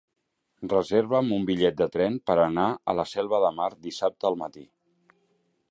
Reserva'm un bitllet de tren per anar a la Selva de Mar dissabte al matí.